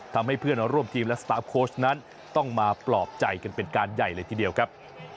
ทำให้เพื่อนร่วมทีมและสตาร์ฟโค้ชนั้นต้องมาปลอบใจกันเป็นการใหญ่เลยทีเดียวครับ